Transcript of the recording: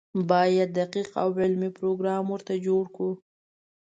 باید دقیق او علمي پروګرام ورته جوړ کړو.